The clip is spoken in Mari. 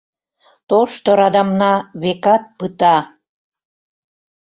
Тошто радамна, векат, пыта...